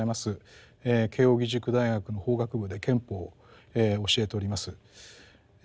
慶應義塾大学の法学部で憲法を教えております。